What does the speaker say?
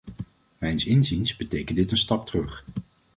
Mijns inziens betekent dit een stap terug.